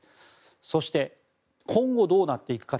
そして、今後どうなっていくか。